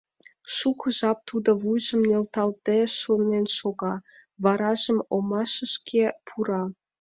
Шуко жап тудо вуйжым нӧлталде шонен шога, варажым омашышке пура.